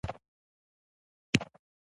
د خوشال پر نارينه شاعرۍ باندې څېړنه وشي